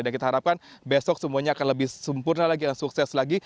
dan kita harapkan besok semuanya akan lebih sempurna lagi akan sukses lagi